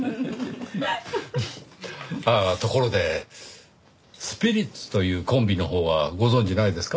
ああところでスピリッツというコンビのほうはご存じないですか？